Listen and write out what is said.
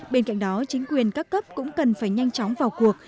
bên cạnh đó chính quyền các cấp cũng cần phải nhanh chóng vào cuộc